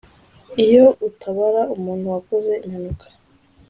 iyo utabara umuntu wakoze impanuka